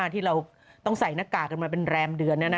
ที่เราต้องใส่หน้ากากกันมาเป็นแรมเดือน